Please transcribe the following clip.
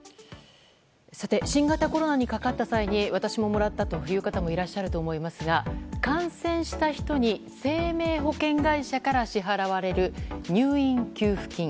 新型コロナにかかった際に私ももらったという方もいらっしゃると思いますが感染した人に生命保険会社から支払われる入院給付金。